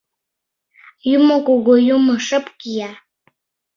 Юмо, кугу юмо, шып кия.